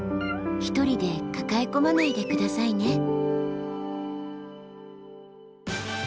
一人で抱え込まないで下さいね。